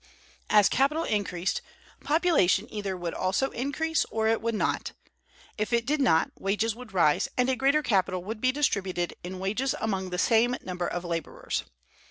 As capital increased, population either would also increase, or it would not. If it did not, wages would rise, and a greater capital would be distributed in wages among the same number of laborers.